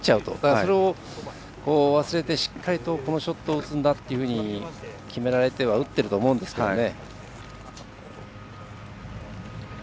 それを忘れてしっかりとショットを打つんだと決められて打っているとは思うんですけどね。